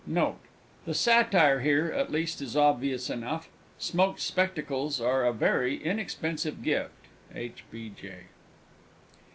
Note. The Satire here, at least, is obvious enough. Smoked spectacles are a very inexpensive gift. H. B. J.